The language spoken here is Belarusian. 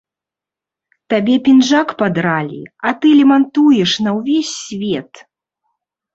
Табе пінжак падралі, а ты лямантуеш на ўвесь свет.